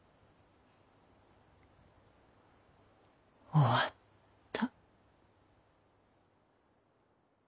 終わった。